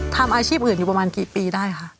ทำอาชีพอื่นอยู่ประมาณกี่ปีได้คะ